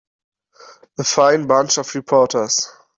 A fine bunch of reporters.